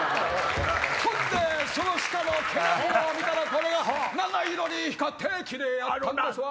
ほんでその鹿の毛並みを見たらこれが七色に光ってキレイやったんですわ。